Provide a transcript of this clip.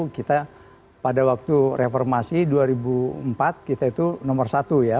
kita pada waktu reformasi dua ribu empat kita itu nomor satu ya